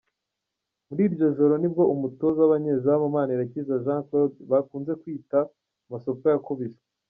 Muri iryo joro nibwo umutoza w’abanyezamu Manirakiza Jean Claude bakunze kwita Masopo yakubiswe.